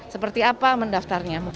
seperti apa mendaftarnya